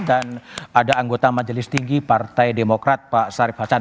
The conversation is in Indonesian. dan ada anggota majelis tinggi partai demokrat pak sarif hachan